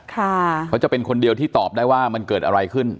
เขาจะเป็นคนเดียวที่ตอบได้ว่ามันเกิดอะไรขึ้น